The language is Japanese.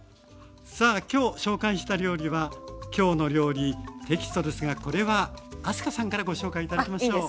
さあ今日紹介した料理は「きょうの料理」テキストですがこれは明日香さんからご紹介頂きましょう。